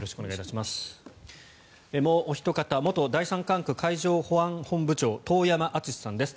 もうおひと方元第三管区海上保安部長遠山純司さんです。